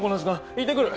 行ってくる！